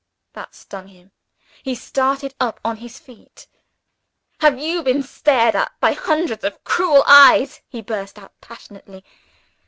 That stung him. He started up on his feet. "Have you been stared at by hundreds of cruel eyes?" he burst out passionately.